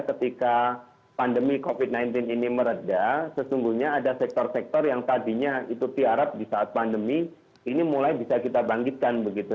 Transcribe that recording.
ketika pandemi covid sembilan belas ini meredah sesungguhnya ada sektor sektor yang tadinya itu tiarap di saat pandemi ini mulai bisa kita bangkitkan begitu